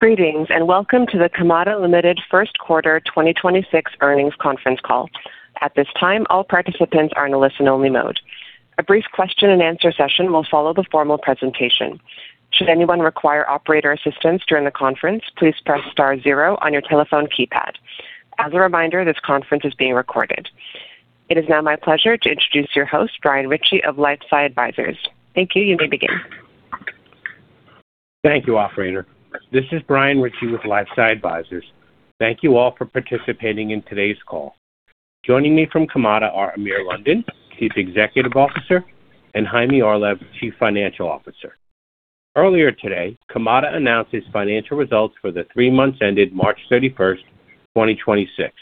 Greetings, and welcome to the Kamada Ltd. first quarter 2026 earnings conference call. At this time, all participants are in a listen-only mode. A brief question-and-answer session will follow the formal presentation. Should anyone require operator assistance during the conference, please press star zero on your telephone keypad. As a reminder, this conference is being recorded. It is now my pleasure to introduce your host, Brian Ritchie of LifeSci Advisors. Thank you. You may begin. Thank you, operator. This is Brian Ritchie with LifeSci Advisors. Thank you all for participating in today's call. Joining me from Kamada are Amir London, Chief Executive Officer, and Chaime Orlev, Chief Financial Officer. Earlier today, Kamada announced its financial results for the three months ended 31st March 2026.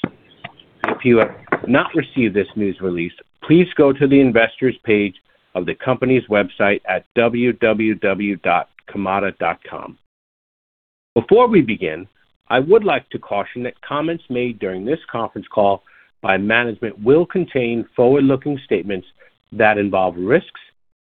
If you have not received this news release, please go to the investor's page of the company's website at www.kamada.com. Before we begin, I would like to caution that comments made during this conference call by management will contain forward-looking statements that involve risks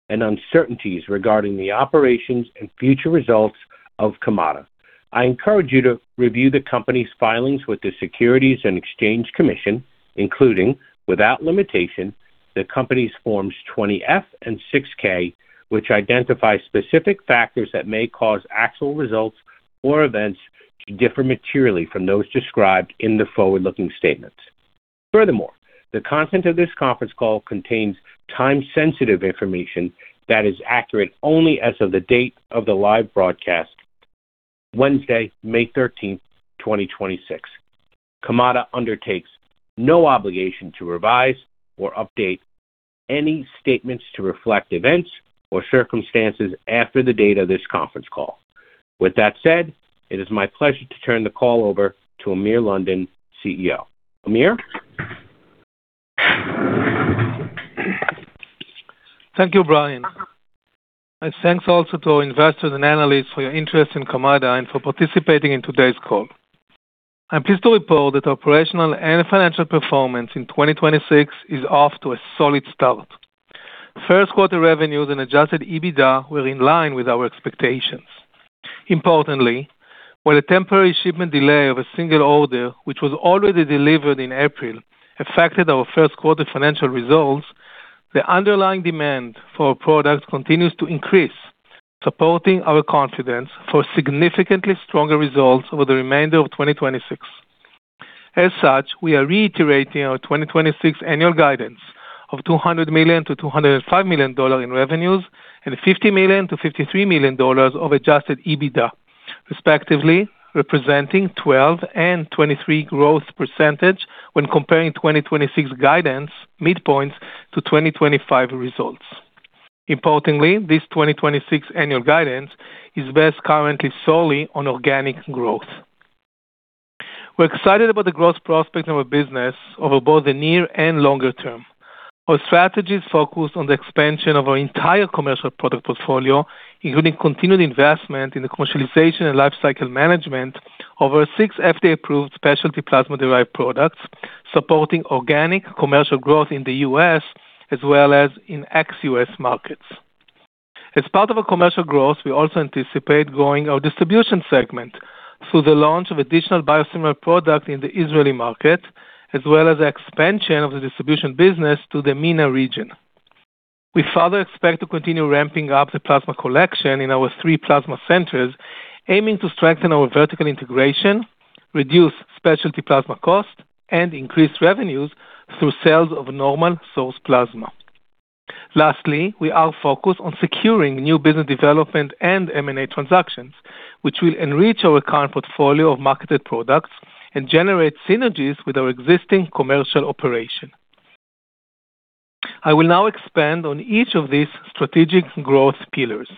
and uncertainties regarding the operations and future results of Kamada. I encourage you to review the company's filings with the Securities and Exchange Commission, including, without limitation, the company's Forms 20-F and 6-K, which identify specific factors that may cause actual results or events to differ materially from those described in the forward-looking statements. Furthermore, the content of this conference call contains time-sensitive information that is accurate only as of the date of the live broadcast, Wednesday, 13th May 2026. Kamada undertakes no obligation to revise or update any statements to reflect events or circumstances after the date of this conference call. With that said, it is my pleasure to turn the call over to Amir London, CEO. Amir? Thank you, Brian. Thanks also to our investors and analysts for your interest in Kamada and for participating in today's call. I'm pleased to report that operational and financial performance in 2026 is off to a solid start. First quarter revenues and adjusted EBITDA were in line with our expectations. Importantly, while a temporary shipment delay of a single order, which was already delivered in April, affected our first quarter financial results, the underlying demand for our product continues to increase, supporting our confidence for significantly stronger results over the remainder of 2026. As such, we are reiterating our 2026 annual guidance of $200 million-$205 million in revenues and $50 million-$53 million of adjusted EBITDA, respectively, representing 12% and 23% growth when comparing 2026 guidance midpoints to 2025 results. Importantly, this 2026 annual guidance is based currently solely on organic growth. We're excited about the growth prospect of our business over both the near and longer term. Our strategies focus on the expansion of our entire commercial product portfolio, including continued investment in the commercialization and lifecycle management over six FDA-approved specialty plasma-derived products, supporting organic commercial growth in the U.S. as well as in ex-U.S. markets. As part of our commercial growth, we also anticipate growing our distribution segment through the launch of additional biosimilar products in the Israeli market, as well as expansion of the distribution business to the MENA region. We further expect to continue ramping up the plasma collection in our three plasma centers, aiming to strengthen our vertical integration, reduce specialty plasma costs, and increase revenues through sales of normal source plasma. Lastly, we are focused on securing new business development and M&A transactions, which will enrich our current portfolio of marketed products and generate synergies with our existing commercial operation. I will now expand on each of these strategic growth pillars.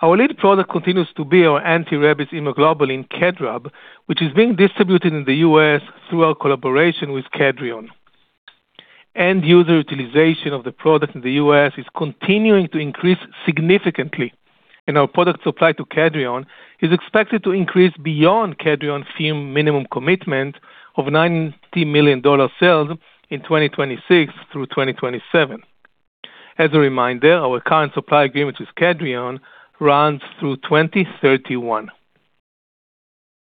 Our lead product continues to be our anti-rabies immunoglobulin KEDRAB, which is being distributed in the U.S. through our collaboration with Kedrion. End-user utilization of the product in the U.S. is continuing to increase significantly, and our product supply to Kedrion is expected to increase beyond Kedrion's firm minimum commitment of $90 million sales in 2026 through 2027. As a reminder, our current supply agreement with Kedrion runs through 2031.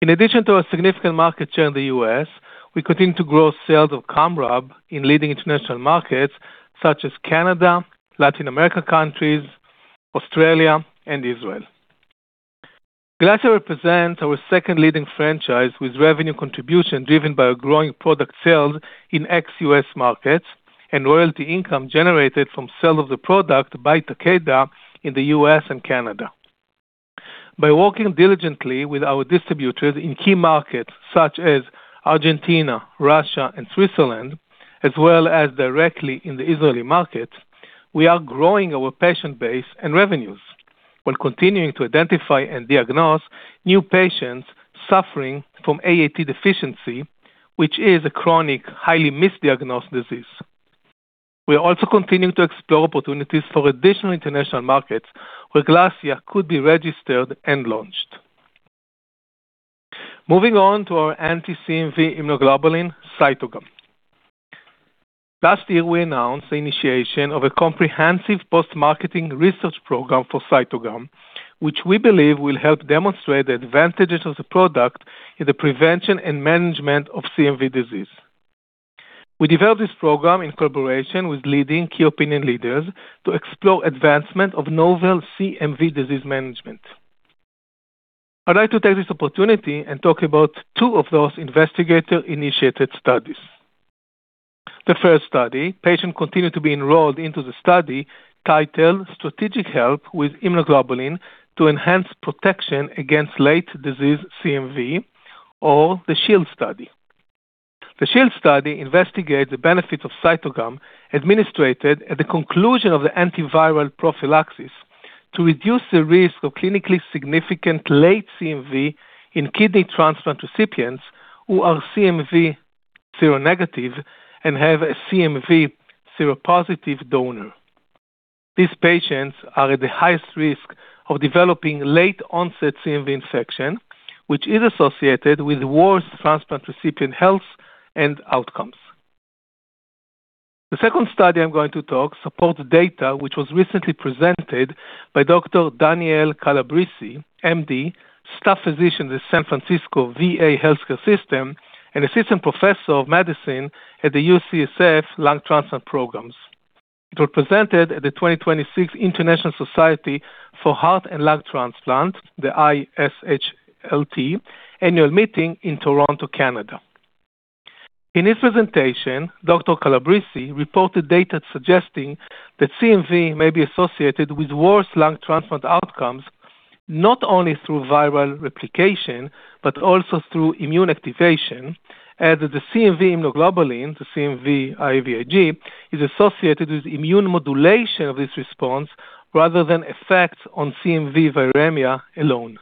In addition to our significant market share in the U.S., we continue to grow sales of KamRAB in leading international markets such as Canada, Latin America countries, Australia, and Israel. GLASSIA represents our second leading franchise with revenue contribution driven by our growing product sales in ex-U.S. markets and royalty income generated from sale of the product by Takeda in the U.S. and Canada. By working diligently with our distributors in key markets such as Argentina, Russia, and Switzerland, as well as directly in the Israeli market, we are growing our patient base and revenues while continuing to identify and diagnose new patients suffering from AAT deficiency, which is a chronic, highly misdiagnosed disease. We are also continuing to explore opportunities for additional international markets where GLASSIA could be registered and launched. Moving on to our anti-CMV immunoglobulin, CYTOGAM. Last year, we announced the initiation of a comprehensive post-marketing research program for CYTOGAM, which we believe will help demonstrate the advantages of the product in the prevention and management of CMV disease. We developed this program in collaboration with leading key opinion leaders to explore advancement of novel CMV disease management. I'd like to take this opportunity and talk about two of those investigator-initiated studies. The first study, patients continue to be enrolled into the study titled Strategic Help with Immunoglobulin to Enhance Protection against Late Disease CMV, or the SHIELD study. The SHIELD study investigates the benefits of CYTOGAM administered at the conclusion of the antiviral prophylaxis to reduce the risk of clinically significant late CMV in kidney transplant recipients who are CMV seronegative and have a CMV seropositive donor. These patients are at the highest risk of developing late-onset CMV infection, which is associated with worse transplant recipient health and outcomes. The second study I'm going to talk support the data which was recently presented by Dr. Daniel Calabrese, MD, staff physician at the San Francisco VA Health Care System and Assistant Professor of Medicine at the UCSF Lung Transplant Programs. It was presented at the 2026 International Society for Heart and Lung Transplantation, the ISHLT, annual meeting in Toronto, Canada. In his presentation, Dr. Calabrese reported data suggesting that CMV may be associated with worse lung transplant outcomes, not only through viral replication, but also through immune activation. That the CMV immunoglobulin, the CMV-IVIG, is associated with immune modulation of this response rather than effects on CMV viremia alone.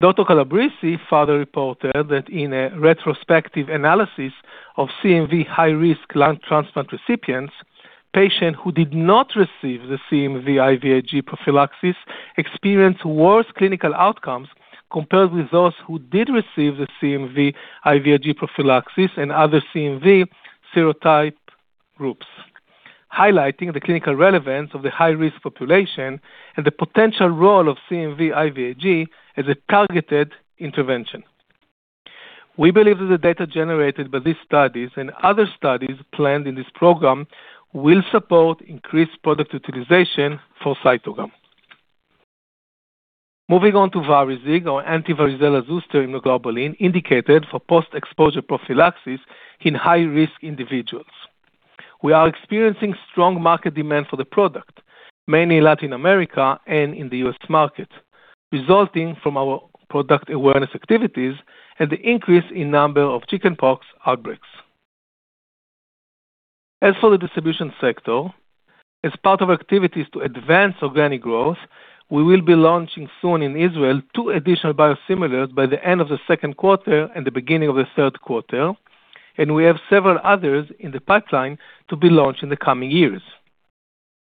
Dr. Daniel Calabrese further reported that in a retrospective analysis of CMV high-risk lung transplant recipients, patients who did not receive the CMV-IVIG prophylaxis experienced worse clinical outcomes compared with those who did receive the CMV-IVIG prophylaxis and other CMV serotype groups, highlighting the clinical relevance of the high-risk population and the potential role of CMV-IVIG as a targeted intervention. We believe that the data generated by these studies and other studies planned in this program will support increased product utilization for CYTOGAM. Moving on to VARIZIG, our anti-varicella zoster immunoglobulin, indicated for post-exposure prophylaxis in high-risk individuals. We are experiencing strong market demand for the product, mainly Latin America and in the U.S. market, resulting from our product awareness activities and the increase in number of chickenpox outbreaks. As for the distribution sector, as part of our activities to advance organic growth, we will be launching, soon in Israel, two additional biosimilars by the end of the second quarter and the beginning of the third quarter. We have several others in the pipeline to be launched in the coming years.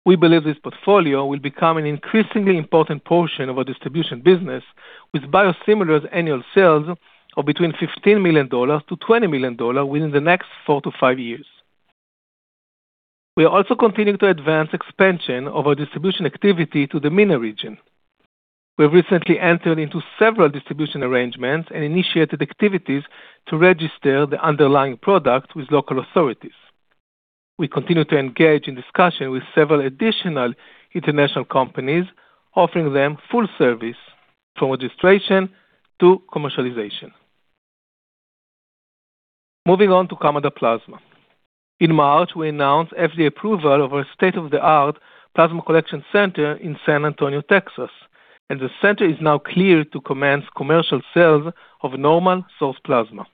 We believe this portfolio will become an increasingly important portion of our distribution business with biosimilars annual sales of between $15 million-$20 million within the next four to five years. We are also continuing to advance expansion of our distribution activity to the MENA region. We have recently entered into several distribution arrangements and initiated activities to register the underlying product with local authorities. We continue to engage in discussion with several additional international companies, offering them full service from registration to commercialization. Moving on to Kamada Plasma. In March, we announced FDA approval of our state-of-the-art plasma collection center in San Antonio, Texas. The center is now cleared to commence commercial sales of normal source plasma.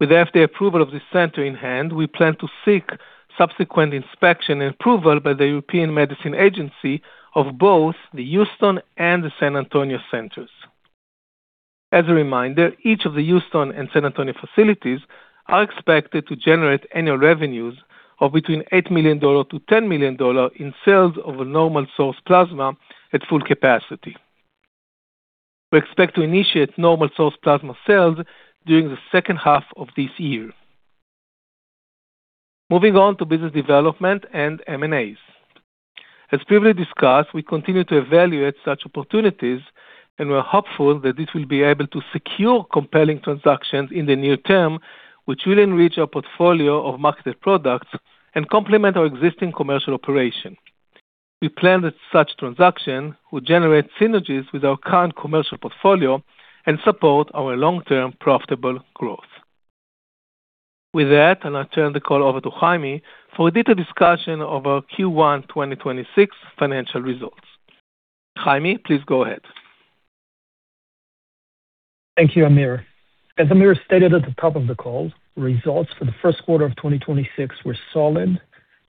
With the FDA approval of this center in hand, we plan to seek subsequent inspection and approval by the European Medicines Agency of both the Houston and the San Antonio centers. As a reminder, each of the Houston and San Antonio facilities are expected to generate annual revenues of between $8 million-$10 million in sales of normal source plasma at full capacity. We expect to initiate normal source plasma sales during the second half of this year. Moving on to business development and M&As. As previously discussed, we continue to evaluate such opportunities, and we're hopeful that this will be able to secure compelling transactions in the near term, which will enrich our portfolio of marketed products and complement our existing commercial operation. We plan that such transaction will generate synergies with our current commercial portfolio and support our long-term profitable growth. With that, I now turn the call over to Chaime for a detailed discussion of our Q1 2026 financial results. Chaime, please go ahead. Thank you, Amir. As Amir stated at the top of the call, results for the first quarter of 2026 were solid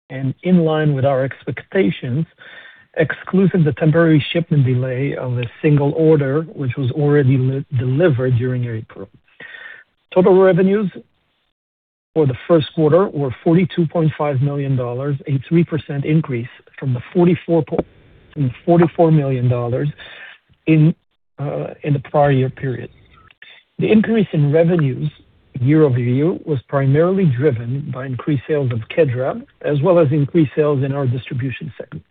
and in line with our expectations, exclusive the temporary shipment delay of a single order, which was already delivered during April. Total revenues for the first quarter were $42.5 million, a 3% increase from $44 million in the prior year period. The increase in revenues year-over-year was primarily driven by increased sales of KEDRAB, as well as increased sales in our distribution segment.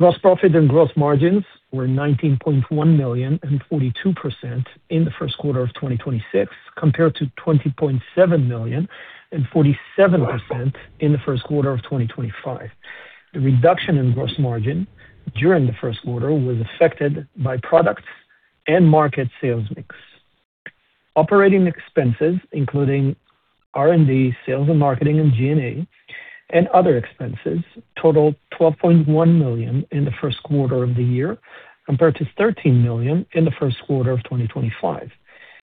Gross profit and gross margins were $19.1 million and 42% in the first quarter of 2026, compared to $20.7 million and 47% in the first quarter of 2025. The reduction in gross margin during the first quarter was affected by products and market sales mix. Operating expenses, including R&D, sales and marketing and G&A and other expenses, totaled $12.1 million in the first quarter of the year compared to $13 million in the first quarter of 2025.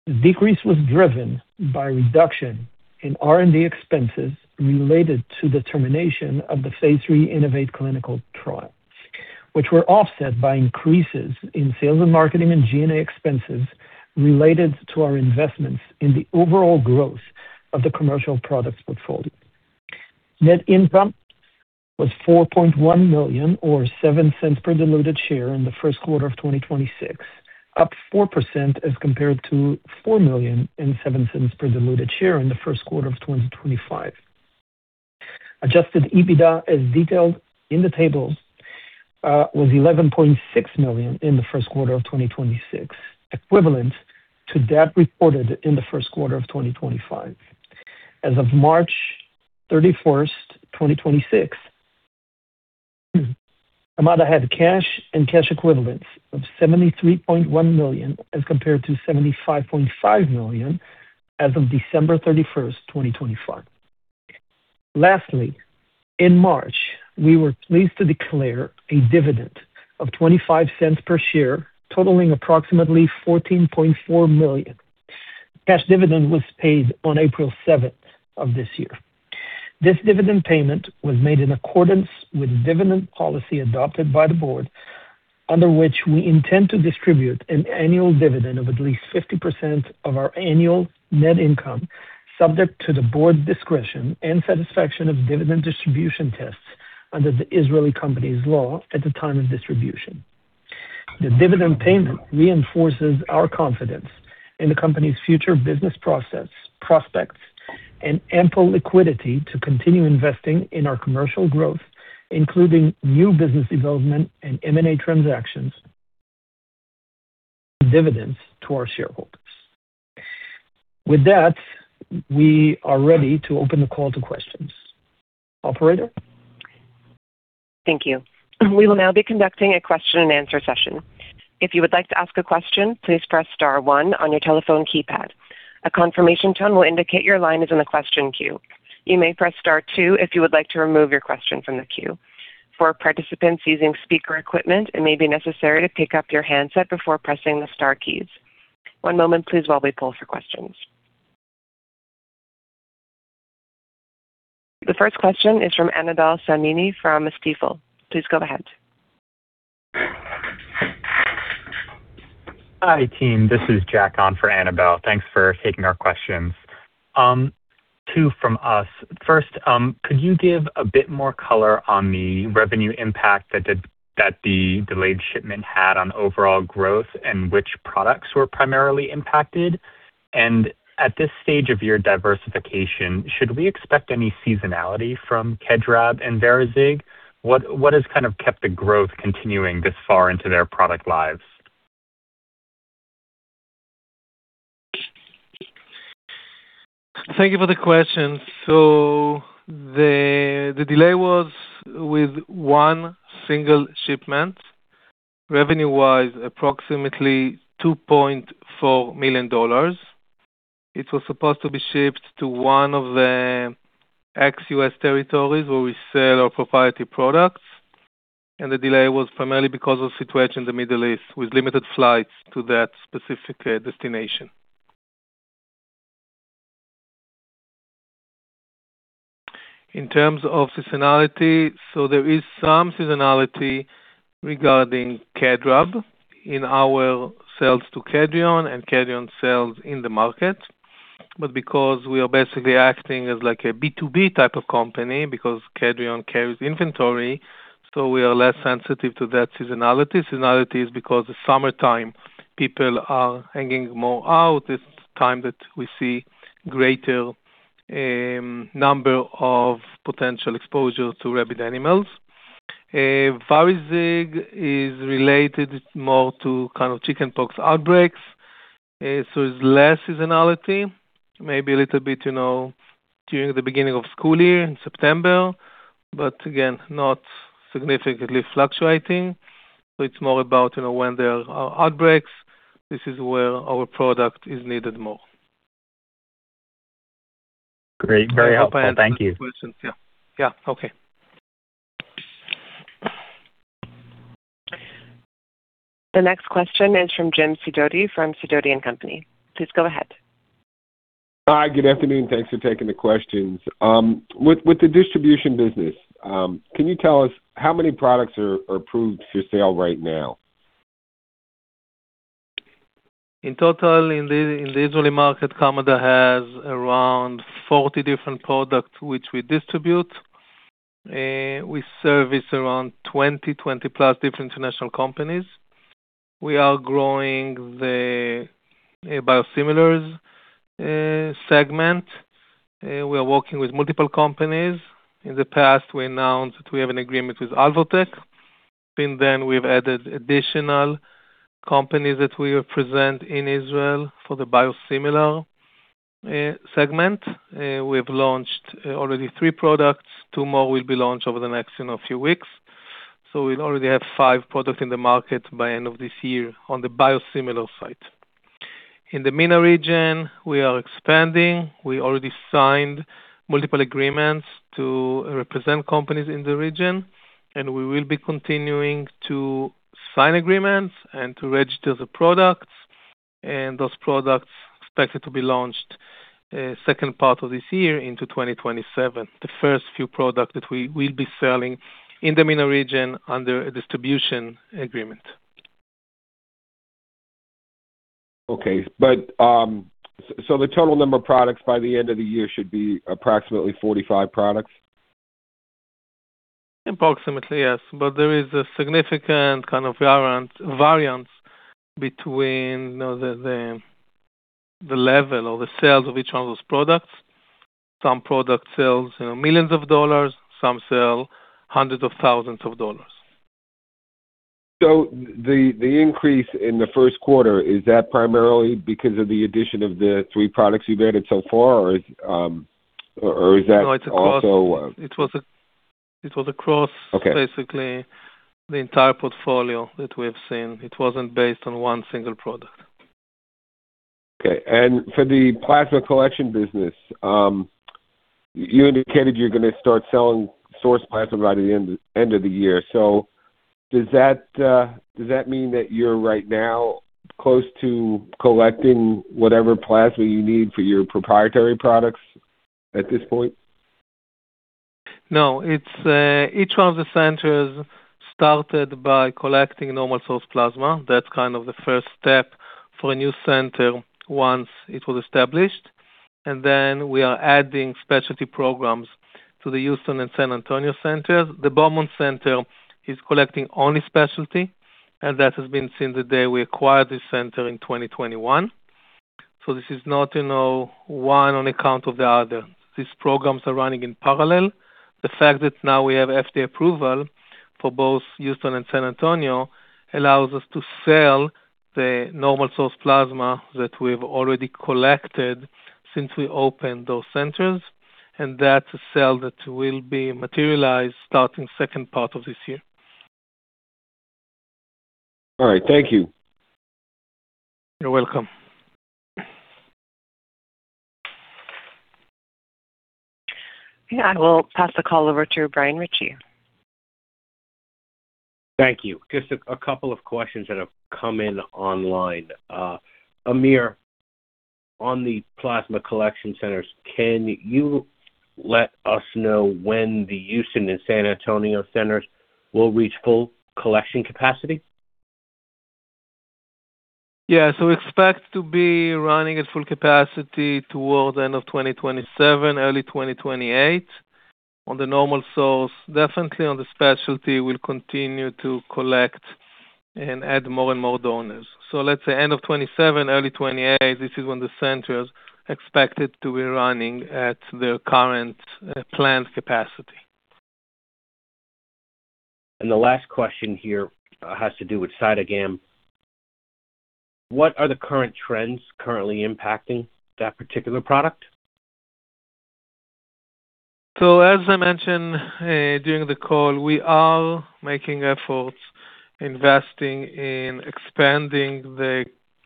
The decrease was driven by reduction in R&D expenses related to the termination of the phase III InnovAATe clinical trial, which were offset by increases in sales and marketing and G&A expenses related to our investments in the overall growth of the commercial products portfolio. Net income was $4.1 million or $0.07 per diluted share in the first quarter of 2026, up 4% as compared to $4 million and $0.07 per diluted share in the first quarter of 2025. Adjusted EBITDA, as detailed in the tables, was $11.6 million in the first quarter of 2026, equivalent to that reported in the first quarter of 2025. As of March 31, 2026, Kamada had cash and cash equivalents of $73.1 million, as compared to $75.5 million as of December 31, 2025. In March, we were pleased to declare a dividend of $0.25 per share, totaling approximately $14.4 million. Cash dividend was paid on April 7 of this year. This dividend payment was made in accordance with dividend policy adopted by the board, under which we intend to distribute an annual dividend of at least 50% of our annual net income, subject to the board's discretion and satisfaction of dividend distribution tests under the Israeli company's law at the time of distribution. The dividend payment reinforces our confidence in the company's future business process, prospects and ample liquidity to continue investing in our commercial growth, including new business development and M&A transactions dividends to our shareholders. With that, we are ready to open the call to questions. Operator? Thank you. We will now be conducting a question-and-answer session. If you would like to ask a question, please press star one on your telephone keypad. A confirmation tone will indicate your line is in the question queue. You may press star two if you would like to remove your question from the queue. For participants using speaker equipment, it may be necessary to pick up your handset before pressing the star keys. One moment, please while we pull for questions. The first question is from Annabel Samimy from Stifel. Please go ahead. Hi, team. This is Jack on for Annabel. Thanks for taking our questions. Two from us. First, could you give a bit more color on the revenue impact that the delayed shipment had on overall growth and which products were primarily impacted? At this stage of your diversification, should we expect any seasonality from KEDRAB and VARIZIG? What has kind of kept the growth continuing this far into their product lives? Thank you for the question. The delay was with one single shipment. Revenue-wise, approximately $2.4 million. It was supposed to be shipped to one of the ex-U.S. territories where we sell our proprietary products, and the delay was primarily because of situation in the Middle East, with limited flights to that specific destination. In terms of seasonality, there is some seasonality regarding KEDRAB in our sales to Kedrion and Kedrion sales in the market. Because we are basically acting as like a B2B type of company because Kedrion carries inventory, we are less sensitive to that seasonality. Seasonality is because the summertime, people are hanging more out. It's time that we see greater number of potential exposure to rabid animals. VARIZIG is related more to kind of chickenpox outbreaks. It's less seasonality, maybe a little bit, you know, during the beginning of school year in September, but again, not significantly fluctuating. It's more about, you know, when there are outbreaks, this is where our product is needed more. Great. Very helpful. Thank you. Hope I answered questions. Yeah. Yeah. Okay. The next question is from Jim Sidoti from Sidoti & Company. Please go ahead. Hi. Good afternoon. Thanks for taking the questions. With the distribution business, can you tell us how many products are approved for sale right now? In total, in the Israeli market, Kamada has around 40 different products which we distribute. We service around 20+ different international companies. We are growing the biosimilars segment. We are working with multiple companies. In the past, we announced that we have an agreement with Alvotech. Since then, we've added additional companies that we represent in Israel for the biosimilar segment. We have launched already three products. Two more will be launched over the next, you know, few weeks. We'll already have five products in the market by end of this year on the biosimilar side. In the MENA region, we are expanding. We already signed multiple agreements to represent companies in the region, and we will be continuing to sign agreements and to register the products. Those products expected to be launched, second part of this year into 2027, the first few products that we will be selling in the MENA region under a distribution agreement. Okay. The total number of products by the end of the year should be approximately 45 products. Approximately, yes. There is a significant kind of variance between the level or the sales of each one of those products. Some product sells, you know, millions of dollars, some sell hundreds of thousands of dollars. The increase in the first quarter is that primarily because of the addition of the three products you've added so far, or is that also? No, it's across basically the entire portfolio that we have seen. It wasn't based on one single product. Okay. For the plasma collection business, you indicated you're gonna start selling sourced plasma by the end of the year. Does that mean that you're right now close to collecting whatever plasma you need for your proprietary products at this point? It's each one of the centers started by collecting normal source plasma. That's kind of the first step for a new center once it was established. We are adding specialty programs to the Houston and San Antonio centers. The Beaumont Center is collecting only specialty, and that has been since the day we acquired this center in 2021. This is not, you know, one on account of the other. These programs are running in parallel. The fact that now we have FDA approval for both Houston and San Antonio allows us to sell the normal source plasma that we've already collected since we opened those centers, and that's a sale that will be materialized starting second part of this year. All right. Thank you. You're welcome. Yeah. I will pass the call over to Brian Ritchie. Thank you. Just a couple of questions that have come in online. Amir, on the plasma collection centers, can you let us know when the Houston and San Antonio centers will reach full collection capacity? Yeah. We expect to be running at full capacity towards end of 2027, early 2028 on the normal source. Definitely, on the specialty, we'll continue to collect and add more and more donors. Let's say end of 2027, early 2028, this is when the centers expected to be running at their current planned capacity. The last question here has to do with CYTOGAM. What are the current trends currently impacting that particular product? As I mentioned, during the call, we are making efforts investing in expanding the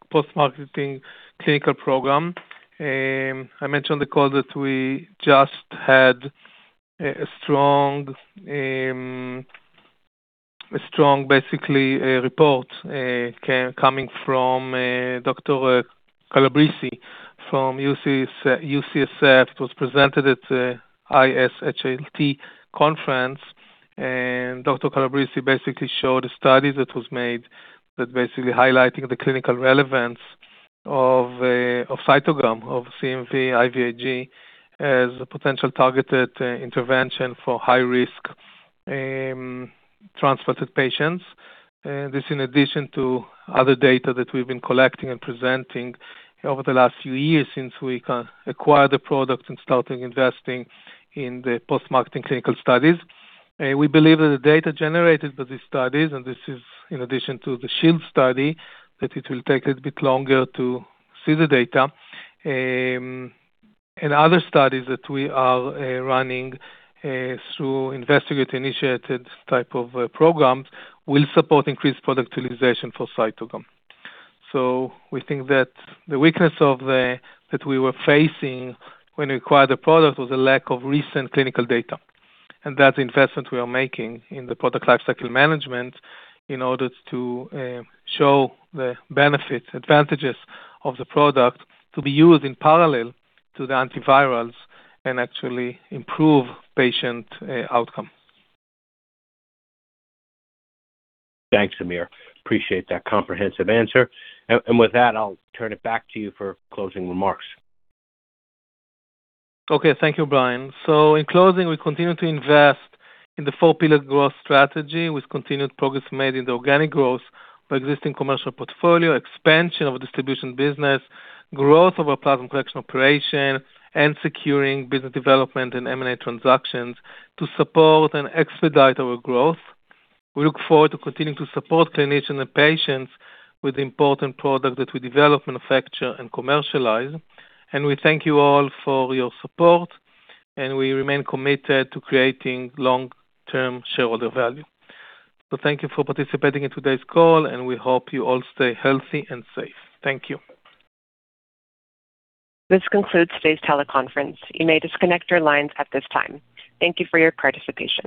post-marketing clinical program. I mentioned the call that we just had, a strong, basically, report coming from Dr. Calabrese from UCSF. It was presented at ISHLT conference. Dr. Calabrese basically showed a study that was made that basically highlighting the clinical relevance of CYTOGAM, of CMV-IVIG, as a potential targeted intervention for high-risk transplanted patients. This, in addition to other data that we've been collecting and presenting over the last few years since we acquired the product and starting investing in the post-marketing clinical studies. We believe that the data generated by these studies, and this is in addition to the SHIELD study, that it will take a little bit longer to see the data. Other studies that we are running through investigator-initiated type of programs will support increased product utilization for CYTOGAM. We think that the weakness that we were facing when we acquired the product was a lack of recent clinical data. That investment we are making in the product lifecycle management in order to show the benefits, advantages of the product to be used in parallel to the antivirals and actually improve patient outcome. Thanks, Amir. Appreciate that comprehensive answer. With that, I'll turn it back to you for closing remarks. Okay. Thank you, Brian. In closing, we continue to invest in the four-pillar growth strategy with continued progress made in the organic growth by existing commercial portfolio, expansion of distribution business, growth of our plasma collection operation, and securing business development and M&A transactions to support and expedite our growth. We look forward to continuing to support clinicians and patients with the important product that we develop, manufacture, and commercialize. We thank you all for your support, and we remain committed to creating long-term shareholder value. Thank you for participating in today's call, and we hope you all stay healthy and safe. Thank you. This concludes today's teleconference. You may disconnect your lines at this time. Thank you for your participation.